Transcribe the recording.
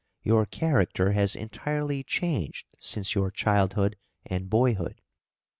Your character has entirely changed since your childhood and boyhood.